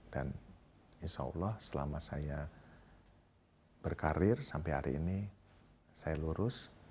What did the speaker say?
dan insya allah selama saya berkarir sampai hari ini saya lurus